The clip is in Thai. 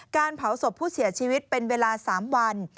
การเผาศพผู้เสียชีวิตเป็นเวลา๓วัน